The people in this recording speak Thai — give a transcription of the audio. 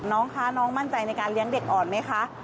น้องคะน้องมั่นใจในการเลี้ยงเด็กอ่อนไหมคะ